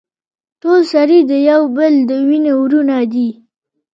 ټول سړي د يو بل د وينې وروڼه دي.